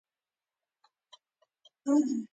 شفاهي روایتونه یې را اخیستي دي.